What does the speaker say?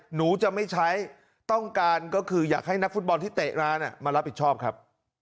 หนูจะไม่ใช้ต้องการก็คืออยากให้นักฟุตบอลที่เตะร้านมารับผิดชอบครับ